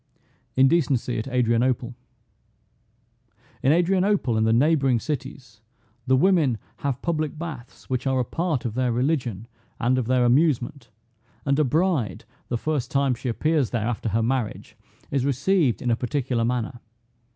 INDECENCY AT ADRIANOPLE. In Adrianople and the neighboring cities, the women have public baths, which are a part of their religion and of their amusement, and a bride, the first time she appears there, after her marriage, is received in a particular manner.